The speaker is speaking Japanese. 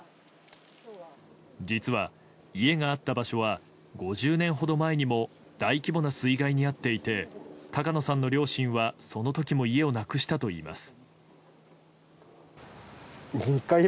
実は家があった場所は５０年ほど前にも大規模な水害に遭っていて高野さんの両親はその時も家をなくしたといいます。